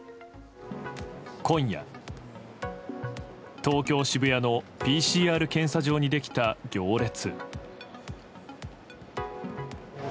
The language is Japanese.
今夜、東京・渋谷のＰＣＲ検査場にできた行列。